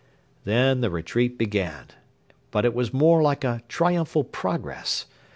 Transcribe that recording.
Then the retreat began; but it was more like a triumphal progress.